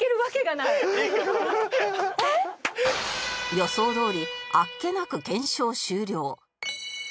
予想どおりあっけなく検証終了